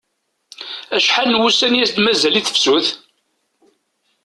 Acḥal n wussan i as-d-mazal i tefsut?